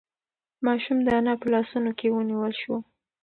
ماشوم د انا په لاسونو کې ونیول شو.